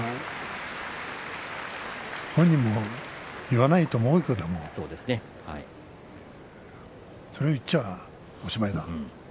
本人も言わないと思うけれどもそれを言っちゃあ、おしまいだ。